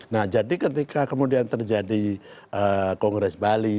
nah jadi ketika kemudian terjadi kongres bali